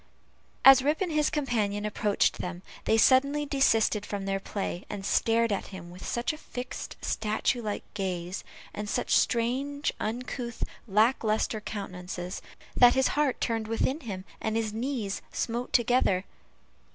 As Rip and his companion approached them, they suddenly desisted from their play, and stared at him with such a fixed statue like gaze, and such strange uncouth, lack lustre countenances, that his heart turned within him, and his knees smote together.